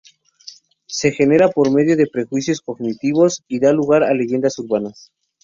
Se genera por medio de prejuicios cognitivos y da lugar a leyendas urbanas.